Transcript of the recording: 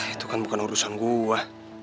itu kan bukan urusan gue